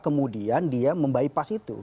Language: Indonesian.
kemudian dia membaipas itu